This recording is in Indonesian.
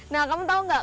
nah kamu tahu gak